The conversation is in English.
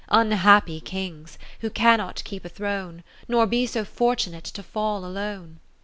Unhappy Kings, who cannot keep a throne, 21 Nor be so fortunate to fall alone